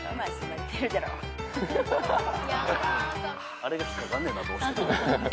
あれが引っ掛かんねんなどうしても。